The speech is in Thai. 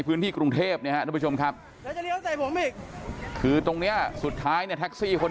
พี่เขาเดินหน้าใส่ตลอดเลยค่ะ